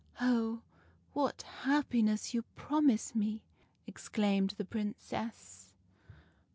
"' Oh, what happiness you promise me !' exclaimed the Princess.